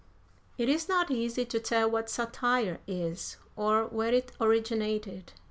_It is not easy to tell what satire is, or where it originated.